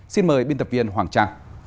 xin mời biên tập viên hoàng trang